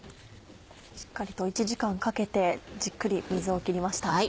しっかりと１時間かけてじっくり水をきりました。